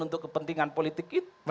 untuk kepentingan politik itu